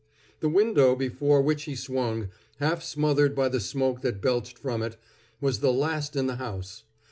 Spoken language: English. The window before which he swung, half smothered by the smoke that belched from it, was the last in the house.